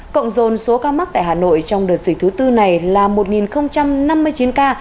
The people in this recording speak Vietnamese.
cộng dồn số ca mắc tại hà nội trong đợt dịch thứ tư này là một năm mươi chín ca